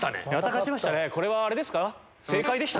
これはあれですか？